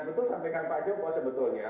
dan betul sampaikan pak joko sebetulnya